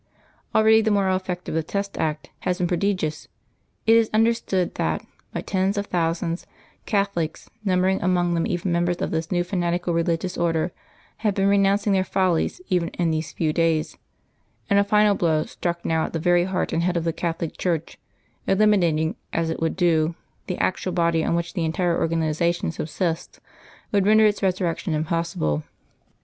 Already the moral effect of the Test Act has been prodigious. It is understood that, by tens of thousands, Catholics, numbering among them even members of this new fanatical Religious Order, have been renouncing their follies even in these few days; and a final blow struck now at the very heart and head of the Catholic Church, eliminating, as it would do, the actual body on which the entire organisation subsists, would render its resurrection impossible.